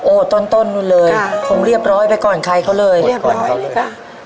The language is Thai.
ต้นต้นนู่นเลยค่ะคงเรียบร้อยไปก่อนใครเขาเลยเรียบร้อยเลยค่ะ